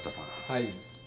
はい。